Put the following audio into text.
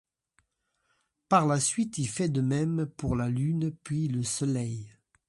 Par la suite, il fait de même pour la Lune, puis le Soleil.